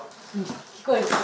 聞こえてた？